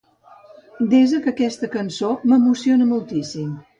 Desa que aquesta cançó m'emociona moltíssim.